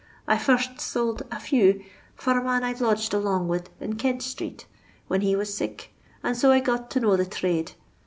I first sould a few for a man I lodged alonv wid in Kent street, when he was sick, and so I got to know the therrade.